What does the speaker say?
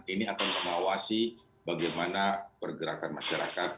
ini akan mengawasi bagaimana pergerakan masyarakat